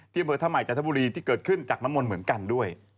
อำเภอท่าใหม่จันทบุรีที่เกิดขึ้นจากน้ำมนต์เหมือนกันด้วย